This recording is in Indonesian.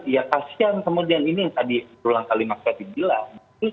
ya kasihan kemudian ini yang tadi ulang kalimat saya bilang